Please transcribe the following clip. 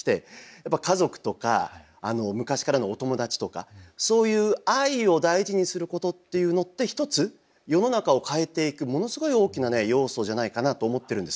やっぱり家族とか昔からのお友達とかそういう愛を大事にすることっていうのって一つ世の中を変えていくものすごい大きな要素じゃないかなと思ってるんです。